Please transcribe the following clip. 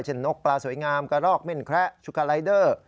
นกปลาสวยงามกระรอกเม่นแคระชุกาไลเดอร์